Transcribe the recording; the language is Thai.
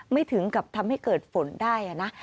ถึงกับทำให้เกิดฝนได้นะ